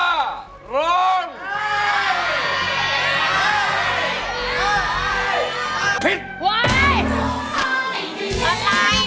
ถ้าตอบถูกเป็นคนแรกขึ้นมาเลย